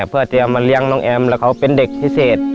เพื่อเตรียมมาเลี้ยงน้องแอมแล้วเขาเป็นเด็กพิเศษ